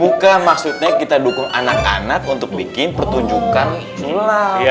bukan maksudnya kita dukung anak anak untuk bikin pertunjukan